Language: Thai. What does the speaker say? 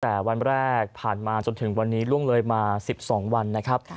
แต่วันแรกผ่านมาจนถึงวันนี้ล่วงเลยมา๑๒วันนะครับ